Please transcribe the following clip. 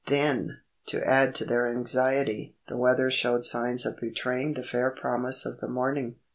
Then, to add to their anxiety, the weather showed signs of betraying the fair promise of the morning.